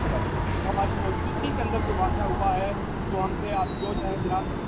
سر درد کی تکلیف اور ذہنی امراض کے درمیان ایک تعلق ہے